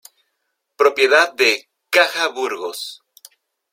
Propiedad de "Caja Burgos".